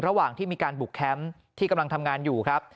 ระหว่างที่มีการบุกแคมป์ที่กำลังทำงานอยู่ครับ